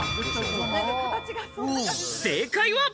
正解は。